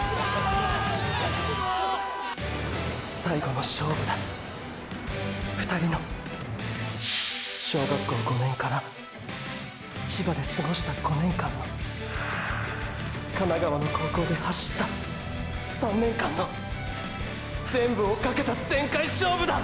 最後の勝負だーー２人の小学校５年から千葉で過ごした５年間の神奈川の高校で走った３年間の全部を賭けた全開勝負だ！！